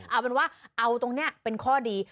เอาเป็นว่าเอาตรงนี้เป็นข้อดี